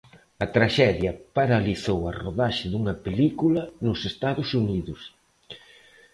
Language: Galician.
A traxedia paralizou a rodaxe dunha película nos Estados Unidos.